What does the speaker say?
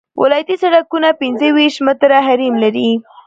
ولایتي سرکونه پنځه ویشت متره حریم لري